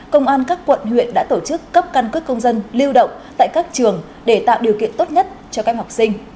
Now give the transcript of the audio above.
công an các quận huyện đã tổ chức cấp căn cước công dân lưu động tại các trường để tạo điều kiện tốt nhất cho các em học sinh